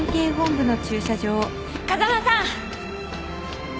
風間さん！